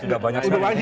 sudah banyak sekali